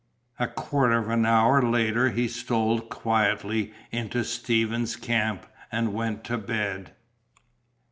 A quarter of an hour later he stole quietly into Stevens' camp and went to bed.